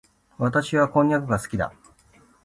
私はこんにゃくが好きだ。